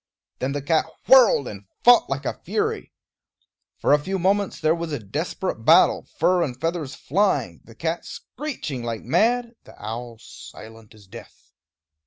Then the cat whirled and fought like a fury. For a few moments there was a desperate battle, fur and feathers flying, the cat screeching like mad, the owl silent as death.